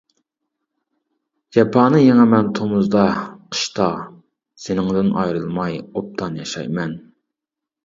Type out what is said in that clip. جاپانى يېڭىمەن تومۇزدا، قىشتا، سېنىڭدىن ئايرىلماي ئوبدان ياشايمەن.